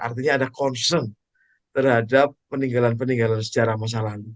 artinya ada concern terhadap peninggalan peninggalan sejarah masa lalu